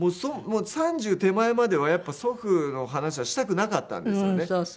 ３０手前まではやっぱ祖父の話はしたくなかったんですよね。